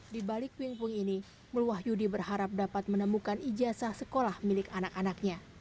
di balik wingpung ini mul wahyudi berharap dapat menemukan ijasa sekolah milik anak anaknya